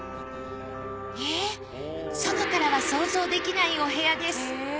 えっ外からは想像できないお部屋です。